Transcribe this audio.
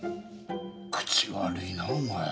口悪いなお前。